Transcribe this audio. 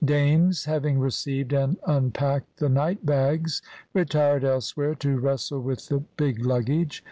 Dames, having received and unpacked the "night bags," retired elsewhere to wrestle with the big luggage.